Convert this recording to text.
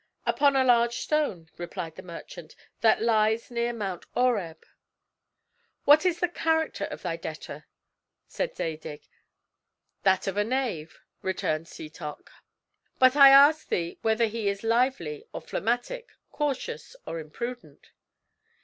"Upon a large stone," replied the merchant, "that lies near Mount Oreb." "What is the character of thy debtor?" said Zadig. "That of a knave," returned Setoc. "But I ask thee whether he is lively or phlegmatic, cautious or imprudent?"